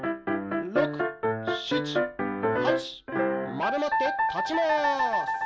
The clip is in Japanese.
まるまってたちます。